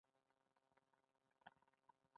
خاوره د افغانانو د ګټورتیا برخه ده.